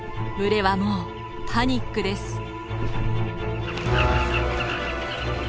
群れはもうパニックです。